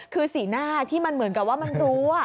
คือสีหน้าที่มันเหมือนกับว่ามันรู้